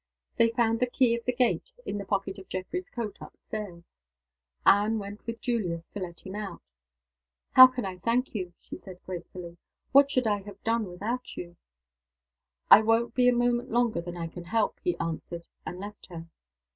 They found the key of the gate in the pocket of Geoffrey's coat up stairs. Anne went with Julius to let him out. "How can I thank you!" she said, gratefully. "What should I have done without you!" "I won't be a moment longer than I can help," he answered, and left her.